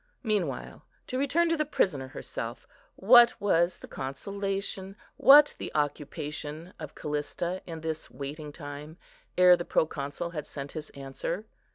Meanwhile, to return to the prisoner herself, what was the consolation, what the occupation of Callista in this waiting time, ere the Proconsul had sent his answer?